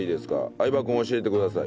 相葉君教えてください。